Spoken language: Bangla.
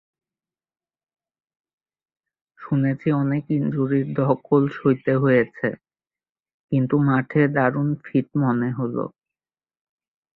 শুনেছি অনেক ইনজুরির ধকল সইতে হয়েছে, কিন্তু মাঠে দারুণ ফিট মনে হলো।